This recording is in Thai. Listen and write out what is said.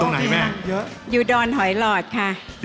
โอหรือครับ